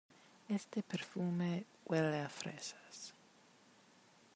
Este perfume huele a fresas